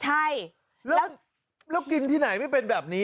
ใช่แล้วกินที่ไหนไม่เป็นแบบนี้